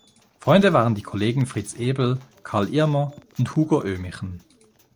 Freunde waren die Kollegen Fritz Ebel, Carl Irmer und Hugo Oehmichen.